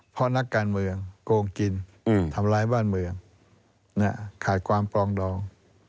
เพราะนักการเมืองโกงกินทำร้ายบ้านเมืองขาดความปลองดอง